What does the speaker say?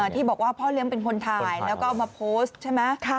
ที่บอกว่าพ่อเลี้ยงเป็นคนถ่ายแล้วก็เอามาโพสต์ใช่ไหม